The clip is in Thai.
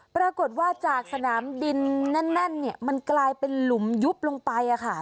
ปรากฏว่าจากสนามบินแน่นมันกลายเป็นหลุมยุบลงไป